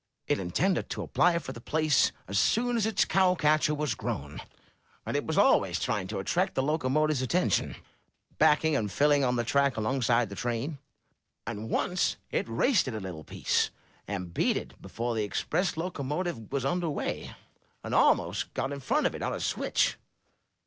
It intended to apply for the place as soon as its cow catcher was grown, and it was always trying to attract the locomotive's attention, backing and filling on the track alongside of the train; and once it raced it a little piece, and beat it, before the Express locomotive was under way, and almost got in front of it on a switch.